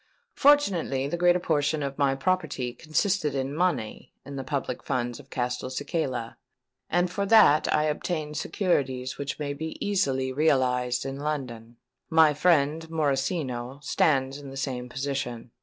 Fortunately, the greater portion of my property consisted in money in the public funds of Castelcicala; and for that I obtained securities which may be easily realised in London. My friend Morosino stands in the same position.